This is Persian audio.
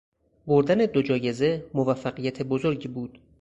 بردن دو جایزه موفقیت بزرگی بود.